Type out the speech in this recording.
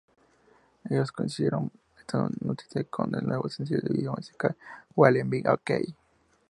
Ellos coincidieron esta noticia con el nuevo sencillo y video musical "We'll Be Okay".